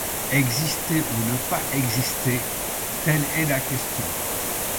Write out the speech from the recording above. Exister ou ne pas exister, telle est la question.